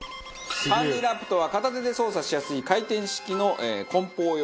ハンディラップとは片手で操作しやすい回転式の梱包用ラップ。